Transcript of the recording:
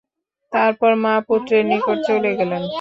তারপর মা পুত্রের নিকট চলে গেলেন।